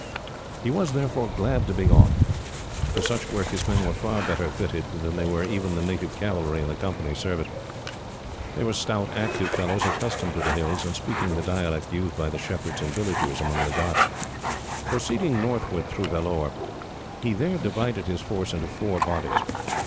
He was, therefore, glad to be off. For such work, his men were far better fitted than were even the native cavalry in the Company's service. They were stout, active fellows, accustomed to the hills, and speaking the dialect used by the shepherds and villagers among the ghauts. Proceeding northward through Vellore, he there divided his force into four bodies.